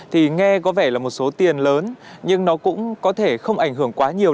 thì nghe có vẻ là một số tiền lớn nhưng nó cũng có thể không ảnh hưởng quá nhiều